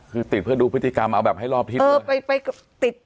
คือติดเพื่อดูพฤติกรรมเอาแบบให้รอบทิศเลย